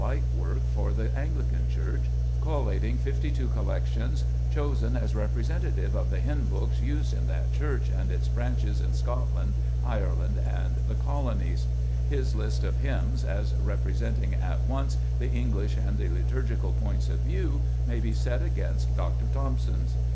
King* has done a like work for the Anglican Church,, collating fifty two collections chosen as representative of the hymn books used in that Church, and its branches in Scot land, Ireland, and the Colonies, j His list of hymns, as representing at once the English and the liturgical points of view, may be set against Dr. Thompson's.